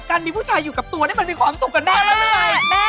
การมีผู้ชายอยู่กับตัวเนี่ยมันมีความสุขกันมากน่ะเลยเนี่ยแม่